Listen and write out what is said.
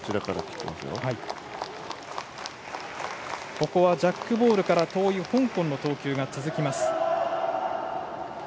ここはジャックボールから遠い香港の投球が続く。